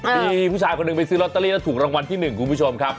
มีผู้ชายคนหนึ่งไปซื้อลอตเตอรี่แล้วถูกรางวัลที่๑คุณผู้ชมครับ